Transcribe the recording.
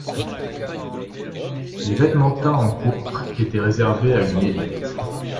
Les vêtements teints en pourpre étaient réservés à une élite.